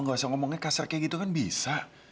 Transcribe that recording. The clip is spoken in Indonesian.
tidak usah ngomongnya kasar seperti itu kan bisa